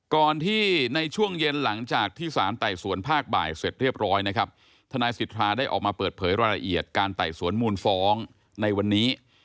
ก่อนที่ในช่วงเย็นหลังจากที่สารไต่สวนภาคบ่ายเสร็จเรียบร้อยนะครับทนายสิทธาได้ออกมาเปิดเผยรายละเอียดการไต่สวนมูลฟ้องในวันนี้